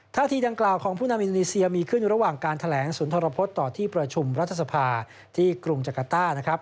ท่าทีดังกล่าวของผู้นำอินโดนีเซียมีขึ้นระหว่างการแถลงศูนย์ธรพฤษต่อที่ประชุมรัฐสภาที่กรุงจักรต้านะครับ